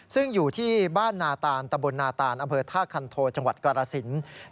ซึ่งอยู่ที่บ้านนาตาลตบลนาตาลอเบิดท่ากันโทจังหวัดกรสินธุ์